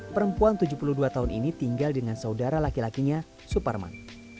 perempuan tujuh puluh dua tahun ini tinggal dengan saudara laki lakinya suparman